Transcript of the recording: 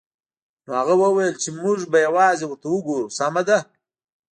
نو هغه وویل چې موږ به یوازې ورته وګورو سمه ده